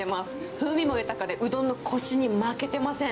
風味も豊かで、うどんのこしに負けてません。